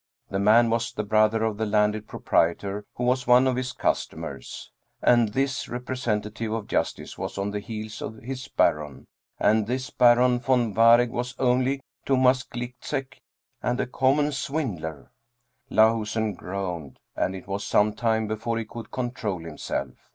The man was the brother of a landed proprietor who was one of his customers. ,And this representative of justice was on the heels of his Baron, and this Baron von Waregg was only Thomas Gliczek and a common swindler! Lahusen groaned, and it was some time before he could control himself.